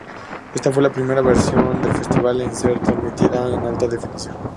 Esta fue la primera versión del festival en ser transmitida en Alta Definición.